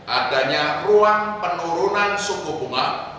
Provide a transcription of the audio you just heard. adanya ruang penurunan suku bunga